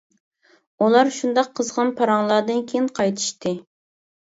ئۇلار شۇنداق قىزغىن پاراڭلاردىن كىيىن قايتىشتى.